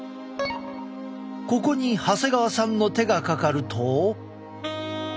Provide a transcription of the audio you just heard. ここに長谷川さんの手がかかると。